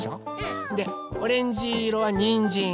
でオレンジいろはにんじん。